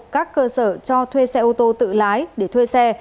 các cơ sở cho thuê xe ô tô tự lái để thuê xe